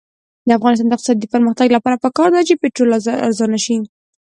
د افغانستان د اقتصادي پرمختګ لپاره پکار ده چې پټرول ارزانه شي.